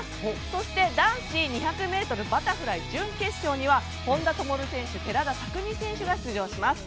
そして男子２００ｍバタフライ準決勝には本多灯選手、寺田拓未選手が出場します。